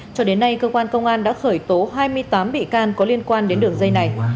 cho đến nay cơ quan công an đã khởi tố hai mươi tám bị can có liên quan đến đường dây này